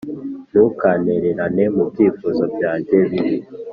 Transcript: ntukantererane mu byifuzo byanjye bibi.